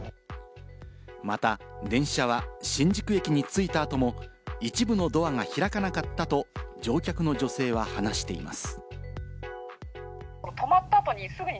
また電車は新宿駅に着いた後も一部のドアが開かなかったと乗客の女性は話しています。